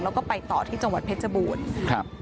แล้วก็ไปต่อที่จังหวัดเพชรบูรณ์ครับ